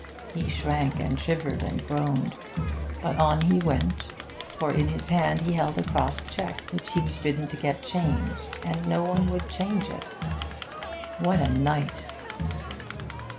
He shrank and shivered and groaned; but on he went, for in his hand he held a crossed cheque, which he was bidden to get changed, and no one would change it. What a night!